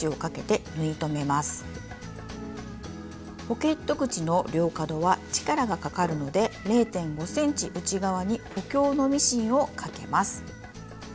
ポケット口の両角は力がかかるので０．５ｃｍ内側に補強のミシンをかけます。